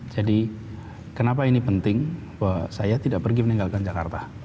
jadi kenapa ini penting bahwa saya tidak pergi meninggalkan jakarta